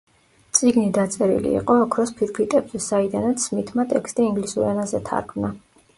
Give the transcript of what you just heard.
წიგნი დაწერილი იყო ოქროს ფირფიტებზე, საიდანაც სმითმა ტექსტი ინგლისურ ენაზე თარგმნა.